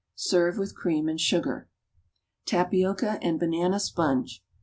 Serve with cream and sugar. =Tapioca and Banana Sponge.